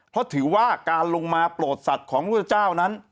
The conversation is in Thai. เพราะถือว่าการลงมาโปรดสัตว์ของพุทธเจ้านั้น